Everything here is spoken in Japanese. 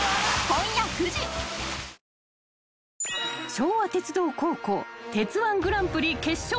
［昭和鉄道高校鉄−１グランプリ決勝戦